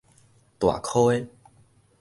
大箍个